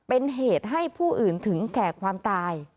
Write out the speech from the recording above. เป็นเหตุให้ผู้อื่นถึงแก่ความตาย